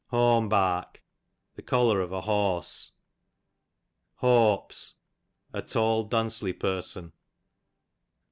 Hawm bark, the collar of a horse. Hawps, a tall duncely person.